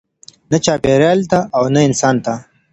نه چاپیریال ته او نه انسان ته.